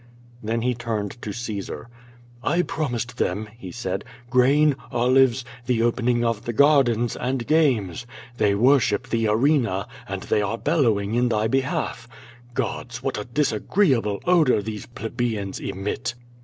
Then he turned to Caesar "I promised them," he said, "grain, olives, the opening of the gardens, and games. They worship the arena, and they are bellowing in thy behalf. Gods! what a disagreeable odor these plebeians emit!"